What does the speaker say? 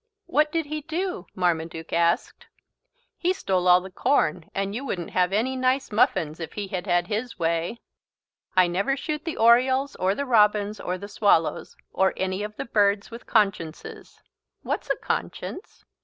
"What did he do?" Marmaduke asked. "He stole all the corn and you wouldn't have any nice muffins if he had had his way. I never shoot the orioles or the robins or the swallows or any of the birds with consciences." "What is a conscience?"